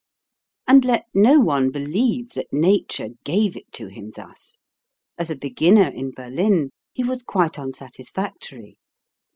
And let no one believe that Nature gave it to him thus. As a beginner in Berlin he was quite unsatis factory.